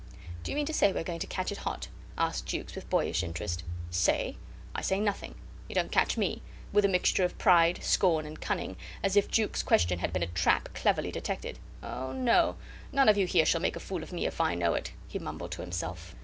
"Do you mean to say we are going to catch it hot?" asked Jukes with boyish interest. "Say? ... I say nothing. You don't catch me," snapped the little second mate, with a mixture of pride, scorn, and cunning, as if Jukes' question had been a trap cleverly detected. "Oh, no! None of you here shall make a fool of me if I know it," he mumbled to himself.